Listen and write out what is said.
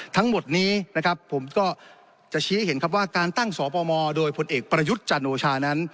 ทั้งหมดนี้นะครับผมก็จะชี้ให้เห็นครับว่าการตั้งสปมโดยพลเอกประยุทธ์จันโอชานั้น